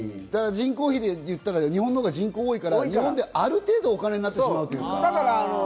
人口比でいったら、日本のほうが人口多いから、ある程度お金になってしまうという。